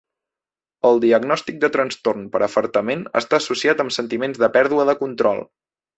El diagnòstic de trastorn per afartament està associat amb sentiments de pèrdua de control.